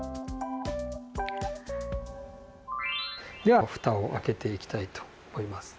ではふたを開けていきたいと思います。